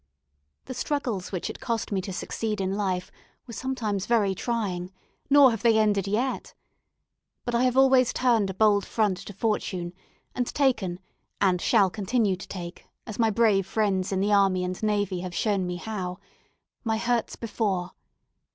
The struggles which it cost me to succeed in life were sometimes very trying; nor have they ended yet. But I have always turned a bold front to fortune, and taken, and shall continue to take, as my brave friends in the army and navy have shown me how, "my hurts before."